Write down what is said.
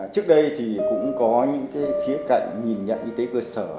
trước đây thì cũng có những khía cạnh nhìn nhận y tế cơ sở